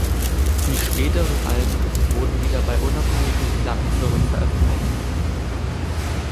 Die späteren Alben wurden wieder bei unabhängigen Plattenfirmen veröffentlicht.